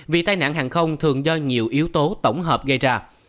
vì tai nạn hàng không thường do nhiều yếu tố tổng hợp gây ra